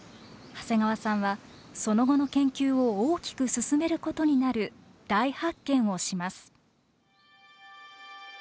長谷川さんはその後の研究を大きく進めることになる大発見をします。